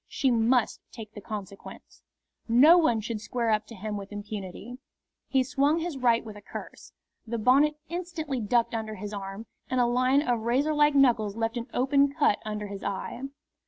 She must take the consequence. No one should square up to him with impunity. He swung his right with a curse. The bonnet instantly ducked under his arm, and a line of razor like knuckles left an open cut under his eye.